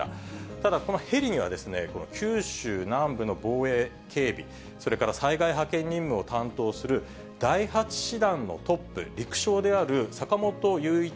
ただ、このヘリにはこの九州南部の防衛警備、それから災害派遣任務を担当する第８師団のトップ、陸将である坂本雄一